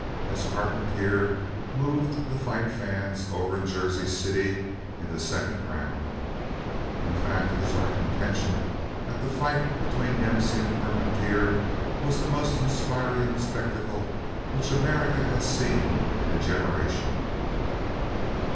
as Carpentier moved the fight fans over in Jersey City in the second round. In fact it is our contention that the fight between Dempsey and Carpentier was the most inspiring spectacle which America has seen in a generation.